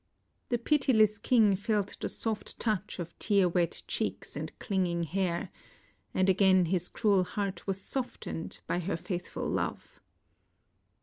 The pitiless king felt the soft touch of tear wet cheeks and clinging hair, and again his cruel heart was softened by her faithful love.